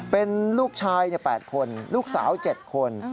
เป็นลูกชาย๘คนลูกสาว๗คน